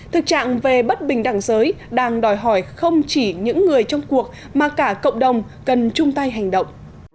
thực trạng về bất bình đẳng giới đang đòi hỏi không chỉ những người trong cuộc mà cả cộng đồng cần chung tay hành động